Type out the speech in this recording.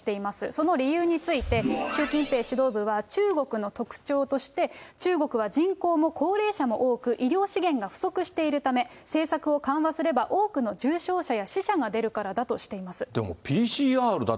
その理由について、習近平指導部は中国の特徴として、中国は人口も高齢者も多く、医療資源が不足しているため、政策を緩和すれば、多くの重症者や死者が出るからだとしています。